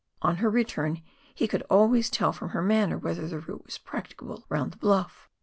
On her return, he could always tell from her manner whether a route was practicable round the bluff.